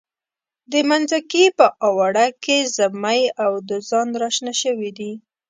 د منځکي په اواړه کې زمۍ او دوزان را شنه شوي دي.